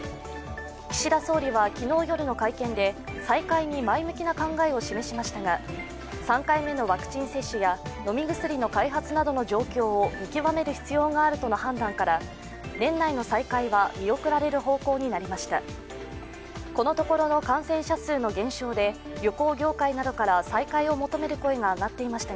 岸田総理は昨日夜の会見で再会に前向きな考えを示しましたが３回目のワクチン接種や飲み薬の開発などの状況を見極める必要があるとの判断から、年内の再開は見送られる方向になりました。